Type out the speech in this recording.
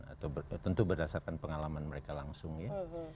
atau tentu berdasarkan pengalaman mereka langsung ya